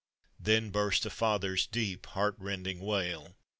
Then burst a father's deep, heart rending wail.